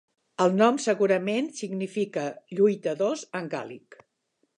El nom segurament significa "lluitadors" en gàl·lic.